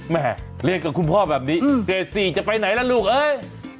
แม่เรียนกับคุณพ่อแบบนี้เกรด๔จะไปไหนล่ะลูกเอ้ย